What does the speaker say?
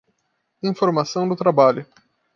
Informação do trabalho